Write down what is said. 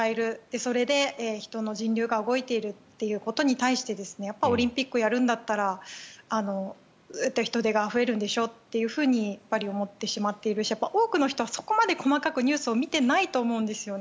それで人の人流が動いているということに対してオリンピックやるんだったら人出が増えるんでしょと思ってしまっているし多くの人はそこまで細かくニュースを見ていないと思うんですね。